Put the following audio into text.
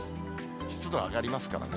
湿度上がりますからね。